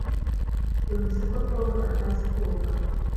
Numvise ko Tom atazi koga.